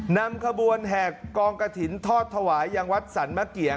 นำขบวนแหกกองกระถิ่นทอดถวายยังวัดสรรมะเกียง